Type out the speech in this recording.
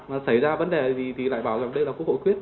mà xảy ra vấn đề gì thì lại bảo rằng đây là quốc hội quyết